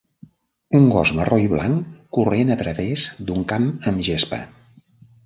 Un gos marró i blanc corrent a través d'un camp amb gespa.